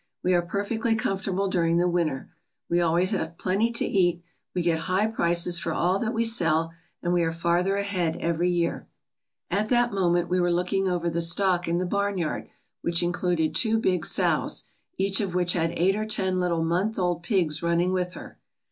We are perfectly comfortable during the winter. We always have plenty to eat, we get high prices for all that we sell, and we are farther ahead every year/' At that moment we were looking over the stock in the barnyard, which included two big sows, each of which had eight or ten little month old pigs running with her.